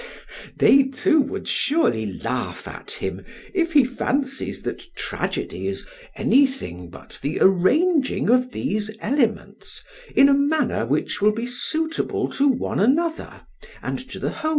PHAEDRUS: They too would surely laugh at him if he fancies that tragedy is anything but the arranging of these elements in a manner which will be suitable to one another and to the whole.